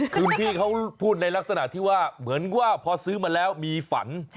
คุณพี่เขาพูดในลักษณะที่ว่าเหมือนว่าพอซื้อมาแล้วมีฝัน